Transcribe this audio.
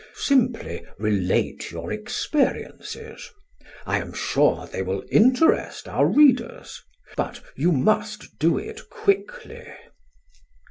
Simply relate your experiences; I am sure they will interest our readers. But you must do it quickly."